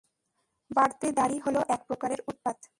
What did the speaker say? বাড়তি দাড়ি হলো এক প্রকারের উৎপাত।